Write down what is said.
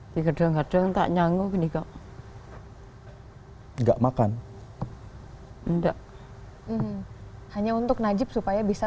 di gedung gedung tak nyanguk ini gak enggak makan enggak hanya untuk najib supaya bisa